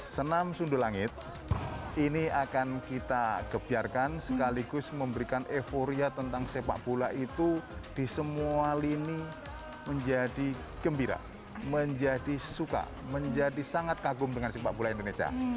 senam sundulangit ini akan kita kebiarkan sekaligus memberikan euforia tentang sepak bola itu di semua lini menjadi gembira menjadi suka menjadi sangat kagum dengan sepak bola indonesia